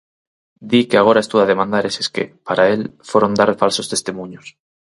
Di que agora estuda demandar eses que, para el, foron dar falsos testemuños.